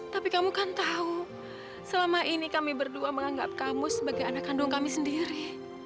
tapi kamu kan tahu selama ini kami berdua menganggap kamu sebagai anak kandung kami sendiri